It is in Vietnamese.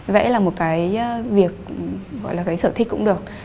việc gọi là cái sở thích cũng được